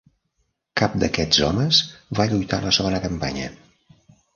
Cap d'aquests homes va lluitar a la segona campanya.